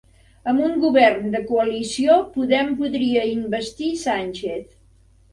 Amb un govern de coalició Podem podria investir Sánchez